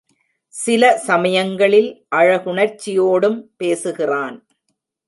சில சமயங்களில் அழகுணர்ச்சியோடும் பேசுகிறான்.